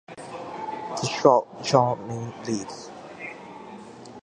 Distraught, Jo Lynn leaves.